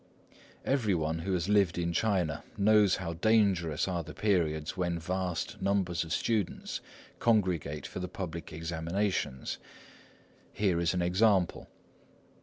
Every one who has lived in China knows how dangerous are the periods when vast numbers of students congregate for the public examinations. Here is an example.